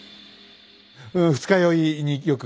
二日酔いによく効く。